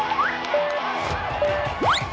ตอนก่อนเอง